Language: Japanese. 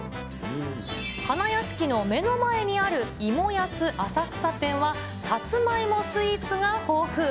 花やしきの目の前にある芋やす浅草店は、さつまいもスイーツが豊富。